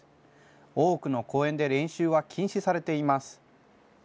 多くの公園で練習は禁止されています。